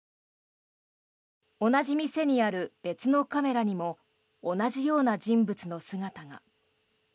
同じ店にある別のカメラにも同じような人物の姿が。